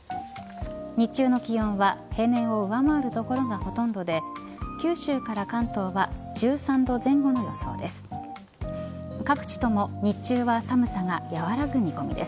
日中の気温は平年を上回る所がほとんどで九州から関東は１３度前後の予想です。